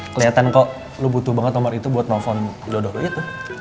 keliatan kok lo butuh banget nomor itu buat nelfon jodoh jodohnya tuh